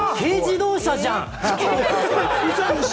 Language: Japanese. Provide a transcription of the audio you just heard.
軽自動車じゃん！